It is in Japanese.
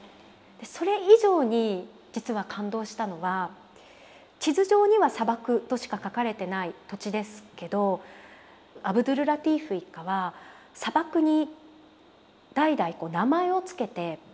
それ以上に実は感動したのが地図上には砂漠としか書かれてない土地ですけどアブドュルラティーフ一家は砂漠に代々名前を付けて識別してきていたことなんです。